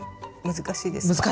難しいです。